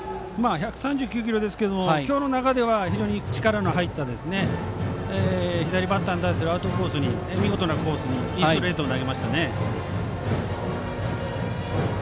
１３９キロですが今日の中では非常に力の入った左バッターに対するアウトコースに見事なコースにいいストレートを投げましたね。